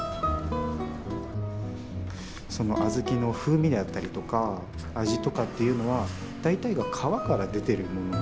その小豆の風味であったりとか味とかっていうのは大体が皮から出てるものなんですよね。